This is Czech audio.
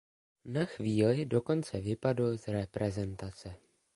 Na chvíli dokonce vypadl z reprezentace.